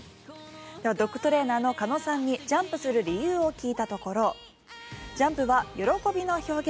ではドッグトレーナーの鹿野さんにジャンプする理由を聞いたところジャンプは喜びの表現